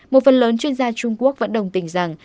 một phần lớn chuyên gia trung quốc vẫn đồng tình rằng